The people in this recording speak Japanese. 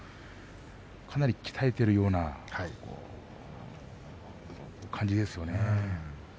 かなり鍛えているような感じがしました。